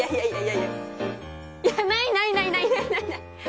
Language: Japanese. いやないないない。